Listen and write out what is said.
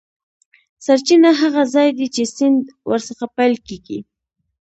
سرچینه هغه ځاي دی چې سیند ور څخه پیل کیږي.